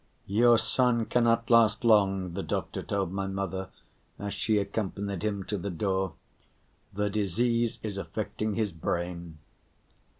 "Your son cannot last long," the doctor told my mother, as she accompanied him to the door. "The disease is affecting his brain."